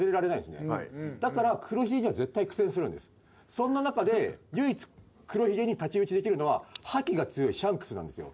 そんな中で唯一黒ひげに太刀打ちできるのは覇気が強いシャンクスなんですよ。